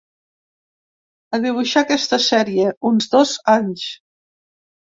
A dibuixar aquesta sèrie, uns dos anys.